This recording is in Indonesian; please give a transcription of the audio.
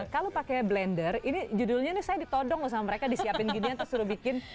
kalau pakai blender ini judulnya nih saya ditodong loh sama mereka disiapin ginian terus suruh bikin